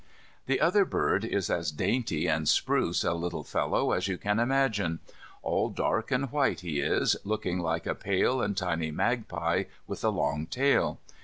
The other bird is as dainty and spruce a little fellow as you can imagine. All dark and white he is, looking like a pale and tiny magpie, with a long tail.